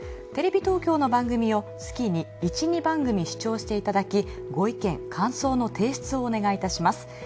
テレビ東京の番組を月に１２番組視聴していただきご意見感想の提出をお願いいたします。